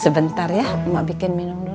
sebentar ya mau bikin minum dulu